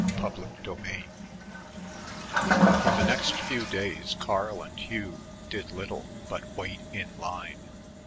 CHAPTER III For the next few days Carl and Hugh did little but wait in line.